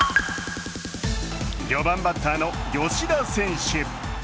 ４番バッターの吉田選手。